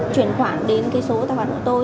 chuyển khoản đến số tài khoản của tôi